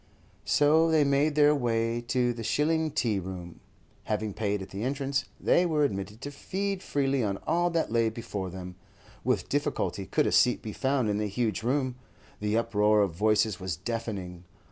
So they made their way to the 'Shilling Tea room.' Having paid at the entrance, they were admitted to feed freely on all that lay before them. With difficulty could a seat be found in the huge room; the uproar of voices was deafening.